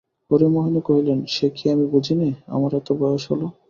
হরিমোহিনী কহিলেন, সে কি আমি বুঝি নে, আমার এত বয়স হল!